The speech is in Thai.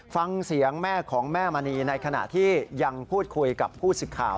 ฟังเสียงแม่ของแม่มณีในขณะที่ยังพูดคุยกับผู้สิทธิ์ข่าว